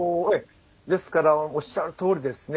ですからおっしゃるとおりですね